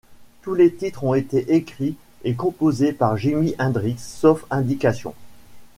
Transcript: Tous les titres ont été écrits et composés par Jimi Hendrix, sauf indication.